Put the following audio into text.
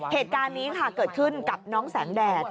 เหตุการณ์นี้ค่ะเกิดขึ้นกับน้องแสงแดด